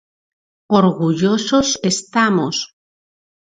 Orgullosos estamos.